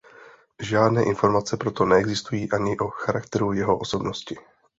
Žádné informace proto neexistují ani o charakteru jeho osobnosti.